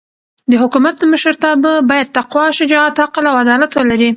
د حکومت مشرتابه باید تقوا، شجاعت، عقل او عدالت ولري.